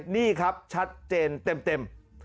นี่ครับชัดเจนเต็ม